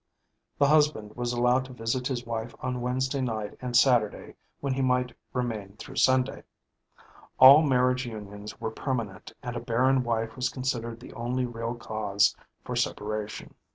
The [HW: husband] was allowed to visit his wife on Wednesday night and Saturday when he might remain through Sunday. All marriage unions were permanent and a barren wife was considered the only real cause for separation.